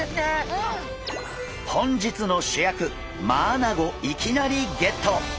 本日の主役マアナゴいきなりゲット！